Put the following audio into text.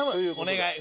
お願い！